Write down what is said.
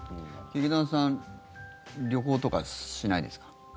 劇団さん旅行とかしないですか？